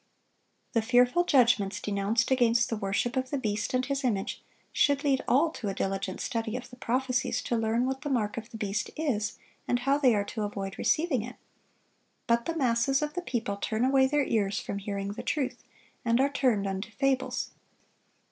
The fearful judgments denounced against the worship of the beast and his image,(1029) should lead all to a diligent study of the prophecies to learn what the mark of the beast is, and how they are to avoid receiving it. But the masses of the people turn away their ears from hearing the truth, and are turned unto fables.